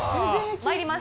まいります。